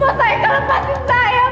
mas haikal lepasin saya mas